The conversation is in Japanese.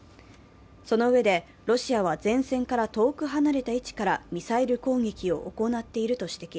そのうえで、ロシアは前線から遠く離れた位置からミサイル攻撃を行っていると指摘。